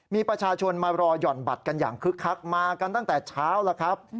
มีประชาชนมารอหย่อนบัตรกันอย่างคึกคักมากันตั้งแต่เช้าแล้วครับ